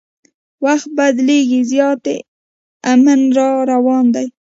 وخت بدلیږي زیاتي امن را روان دی